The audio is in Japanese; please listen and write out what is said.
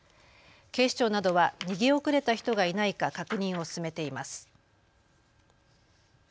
警視庁などは逃げ遅れた人がいないか確認を進めています。